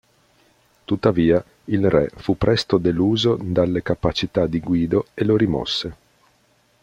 Tuttavia, il re fu presto deluso dalle capacità di Guido e lo rimosse.